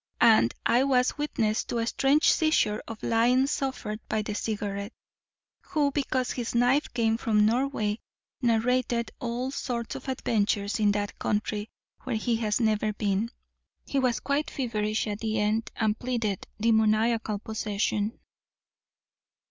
And I was witness to a strange seizure of lying suffered by the Cigarette: who, because his knife came from Norway, narrated all sorts of adventures in that country, where he has never been. He was quite feverish at the end, and pleaded demoniacal possession.